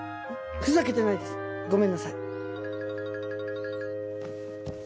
ふざけてないですごめんなさい。